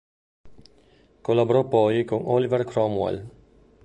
Collaborò poi con Oliver Cromwell.